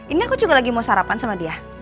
ini aku juga lagi mau sarapan sama dia